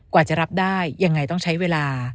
กว่าจะรับได้ยังไงต้องใช้เวลา